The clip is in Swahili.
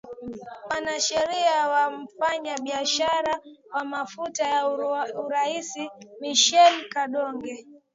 mwanasheria wa mfanya biashara wa mafuta wa urusi michael kodokoski